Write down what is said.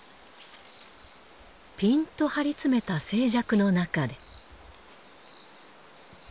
ピンと張り詰めた静寂の中で。